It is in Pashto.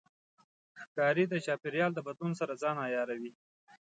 ښکاري د چاپېریال د بدلون سره ځان عیاروي.